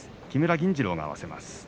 木村銀治郎が合わせます。